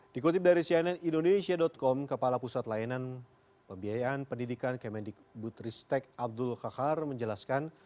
dikutip dari cnn indonesia com kepala pusat layanan pembiayaan pendidikan kemendikbud ristek abdul kakar menjelaskan